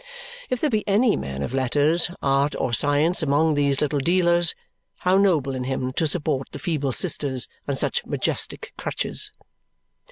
If there be any man of letters, art, or science among these little dealers, how noble in him to support the feeble sisters on such majestic crutches!